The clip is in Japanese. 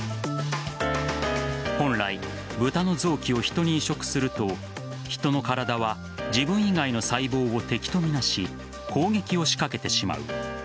本来、ブタの臓器をヒトに移植するとヒトの体は自分以外の細胞を敵と見なし攻撃を仕掛けてしまう。